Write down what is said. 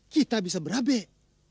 kita bisa berhabeh